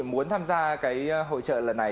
muốn tham gia hội trợ lần này